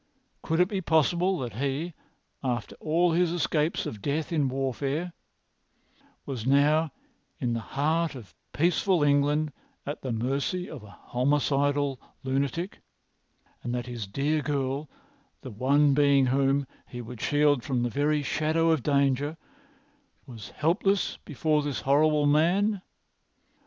[Pg 253] Could it be possible that he, after all his escapes of death in warfare, was now, in the heart of peaceful England, at the mercy of a homicidal lunatic, and that his dear girl, the one being whom he would shield from the very shadow of danger, was helpless before this horrible man?